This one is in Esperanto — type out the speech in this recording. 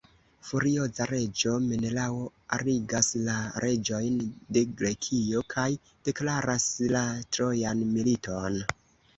Furioza, reĝo Menelao arigas la reĝojn de Grekio, kaj deklaras la Trojan militon.